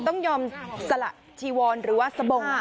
ต้องยอมสละจีวรหรือว่าสบง